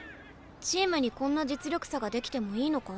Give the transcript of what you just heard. チームにこんな実力差が出来てもいいのか？